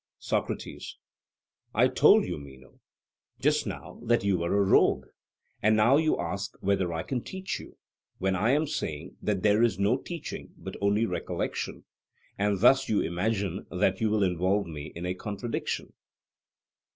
SOCRATES: I told you, Meno, just now that you were a rogue, and now you ask whether I can teach you, when I am saying that there is no teaching, but only recollection; and thus you imagine that you will involve me in a contradiction.